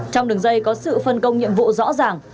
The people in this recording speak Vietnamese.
trong đường dây có sự phân công nhiệm vụ rõ ràng